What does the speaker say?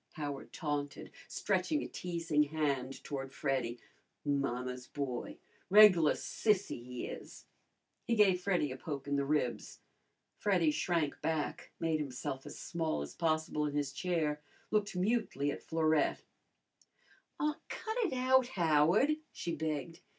Howard taunted, stretching a teasing hand toward Freddy. "Mamma's boy! Reg'lar sissy, he is!" He gave Freddy a poke in the ribs. Freddy shrank back, made himself as small as possible in his chair, looked mutely at Florette. "Aw, cut it out, Howard," she begged.